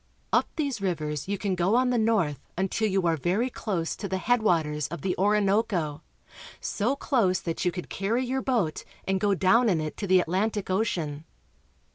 Up these rivers you can go on the north until you are very close to the head waters of the Orinoco — so close that you could carry your boat and go down in it to the Atlantic Ocean.